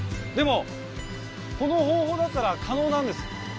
でもこの方法だったら可能なんです。